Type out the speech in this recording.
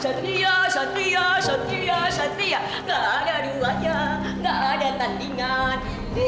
satria satria satria satria gak ada duanya gak ada tandingan